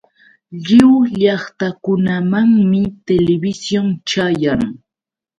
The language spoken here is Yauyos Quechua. Lliw llaqtakunamanmi televisión chayan.